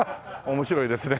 面白いですね。